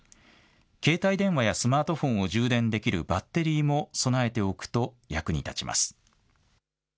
携帯電話やスマートフォンを充電できるバッテリーも備えておくと役に立ちます。